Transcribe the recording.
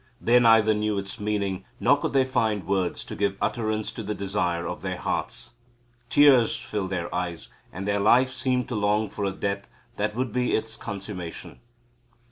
They neither knew its meaning nor could they find words to give utterance to the desire of their hearts. Tears filled their eyes, and their life seemed to long for a death that would be its consummation.